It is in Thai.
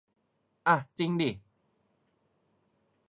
อ่ะจิงดิ